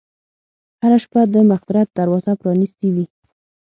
هره شپه د مغفرت دروازه پرانستې وي.